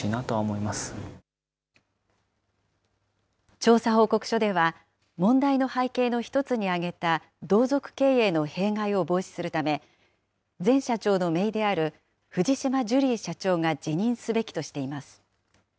調査報告書では、問題の背景の一つに挙げた同族経営の弊害を防止するため、前社長のめいである藤島ジュリー社長が辞任すべきとしています。